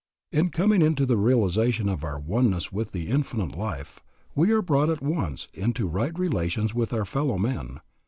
In coming into the realization of our oneness with the Infinite Life, we are brought at once into right relations with our fellowmen.